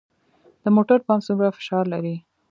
د موټر پمپ څومره فشار لري؟